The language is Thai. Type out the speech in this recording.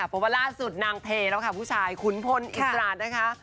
เพราะว่าล่าสุดนางเพแล้วค่ะผู้ชายขุนพลอิสระนะคะ